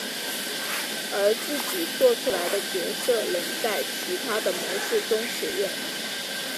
而自己作出来的角色能在其他的模式中使用。